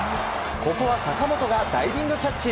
ここは坂本がダイビングキャッチ！